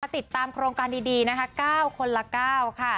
ติดตามโครงการดีนะคะ๙คนละ๙ค่ะ